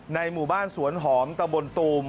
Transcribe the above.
หมู่บ้านสวนหอมตะบนตูม